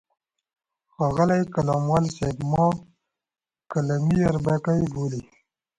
ښاغلی قلموال صاحب ما قلمي اربکی بولي.